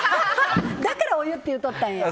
だからお湯って言っとったんや。